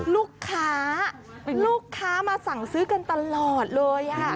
ลูกค้ามาสั่งซื้อกันตลอดเลย